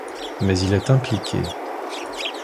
Mais il est impliqué.